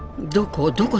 どこ？